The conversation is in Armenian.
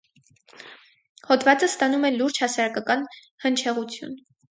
Հոդվածը ստանում է լուրջ հասարակական հնչեղություն։